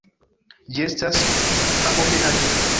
Ĝi estas abomenaĵo!